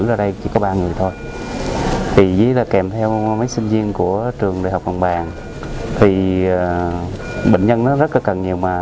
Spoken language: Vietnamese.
ra đây chỉ có ba người thôi và kèm theo mấy sinh viên trường đại học hồng bàn thì bệnh nhân rất là